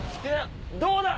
どうだ？